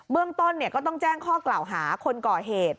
เรื่องต้นก็ต้องแจ้งข้อกล่าวหาคนก่อเหตุ